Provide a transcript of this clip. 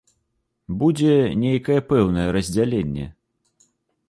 Будзе нейкае пэўнае раздзяленне.